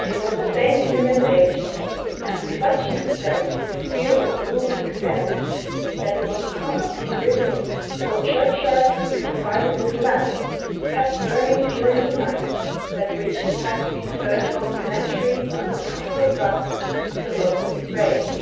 It was the same in the middle ages, and to such an extent did the fear of ghouls extend, that it was common in Brittany for churchyards to be provided with lamps, kept burning during the night, that witches might be deterred from venturing under cover of darkness to open the graves.